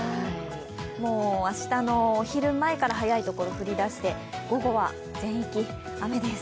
もう明日のお昼前から早いところ降りだして、午後は全域雨です。